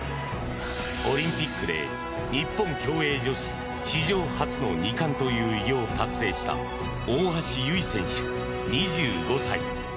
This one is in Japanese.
オリンピックで日本競泳女子史上初の２冠という偉業を達成した大橋悠依選手２５歳。